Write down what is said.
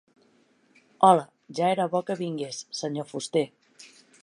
Hola, ja era bo que vingués, senyor fuster.